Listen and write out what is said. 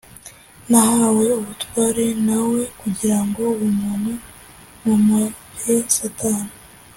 nahawe ubutware na We, kugira ngo uwo muntu mumuhe Satani,